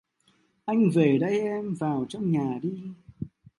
Anh về đây em vào trong nhà đi